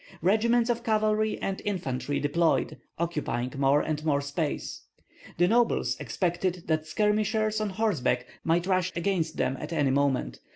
Regiments of cavalry and infantry deployed, occupying more and more space. The nobles expected that skirmishers on horseback might rush against them at any moment.